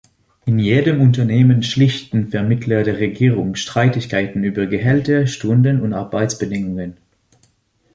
In jedem Unternehmen schlichten Vermittler der Regierung Streitigkeiten über Gehälter, Stunden und Arbeitsbedingungen.